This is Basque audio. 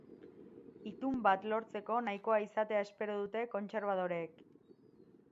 Itun bat lortzeko nahikoa izatea espero dute kontserbadoreek.